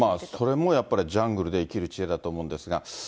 それもやっぱりジャングルで生きる知恵だと思うんですが。